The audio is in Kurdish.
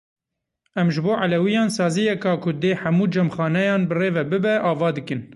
Em ji bo Elewiyan saziyeka ku dê hemû cemxaneyan birêve bibe ava dikin.